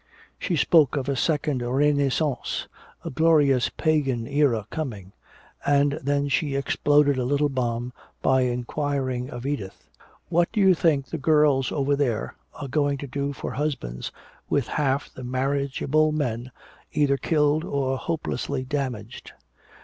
She spoke of a second Renaissance, "a glorious pagan era" coming. And then she exploded a little bomb by inquiring of Edith. "What do you think the girls over there are going to do for husbands, with half the marriageable men either killed or hopelessly damaged?